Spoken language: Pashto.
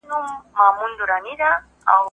که په ښوونځي کې مینه وي، نو تعلیمي کیفیت هم لوړ وي.